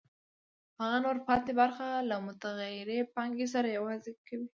هغه نوره پاتې برخه له متغیرې پانګې سره یوځای کوي